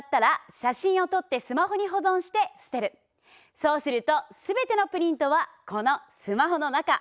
そうすると全てのプリントはこのスマホの中。